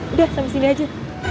udah sampe sini aja